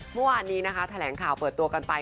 เมื่อวานนี้นะคะแถลงข่าวเปิดตัวกันไป